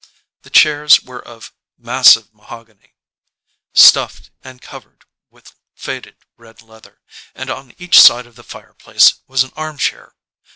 The chairs were of massive mahogany, stuffed, and covered with faded red leather, and on each side of the fireplace was an arm chair.